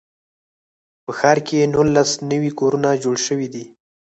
په ښار کې نولس نوي کورونه جوړ شوي دي.